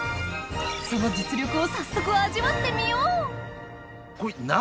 その実力を早速味わってみよう！